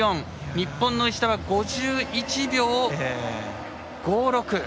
日本の石田は５１秒５６。